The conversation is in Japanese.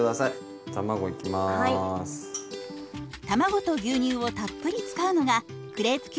卵と牛乳をたっぷり使うのがクレープ生地の特徴。